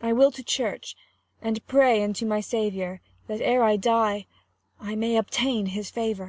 30 I will to church, and pray unto my Saviour, That ere I die, I may obtain his favour.